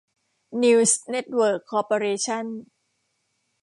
นิวส์ เน็ตเวิร์ค คอร์ปอเรชั่น